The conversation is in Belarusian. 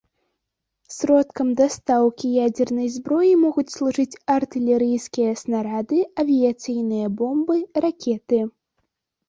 Сродкам дастаўкі ядзернай зброі могуць служыць артылерыйскія снарады, авіяцыйныя бомбы, ракеты.